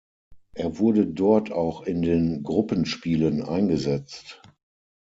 Er wurde dort auch in den Gruppenspielen eingesetzt.